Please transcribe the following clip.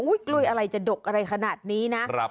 กล้วยอะไรจะดกอะไรขนาดนี้นะ